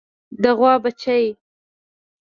د غوا بچۍ